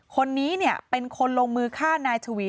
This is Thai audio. คนนี้เป็นคนลงมือฆ่านายชวี